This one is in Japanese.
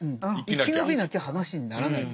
生き延びなきゃ話にならない。